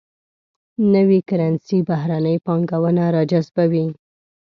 نوي کرنسي بهرنۍ پانګونه راجذبوي.